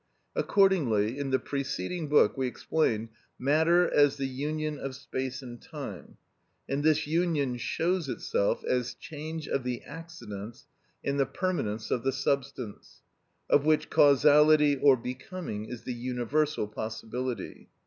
Accordingly, in the preceding book we explained matter as the union of space and time, and this union shows itself as change of the accidents in the permanence of the substance, of which causality or becoming is the universal possibility.